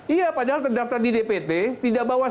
iya padahal terdaftar di dpt tidak bawa c enam